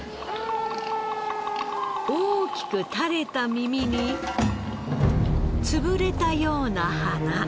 大きく垂れた耳に潰れたような鼻。